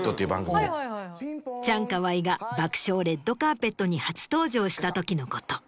チャンカワイが『爆笑レッドカーペット』に初登場したときのこと。